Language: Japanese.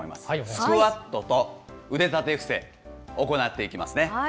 スクワットと腕立て伏せ、行っていきますね。